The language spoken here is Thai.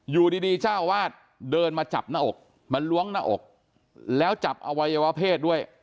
อยู่ดีเจ้าวาดเดินมาจับหน้าอกมาล้วงหน้าอกแล้วจับอวัยวะเพศด้วย